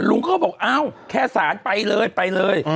ลุงเขาบอกเอ้าแค่ฉานไปเลยไปเลย